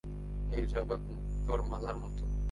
এই জগৎ মুক্তোর মালার মতো।